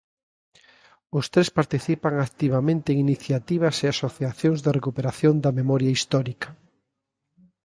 Os tres participan activamente en iniciativas e asociacións de recuperación da memoria histórica.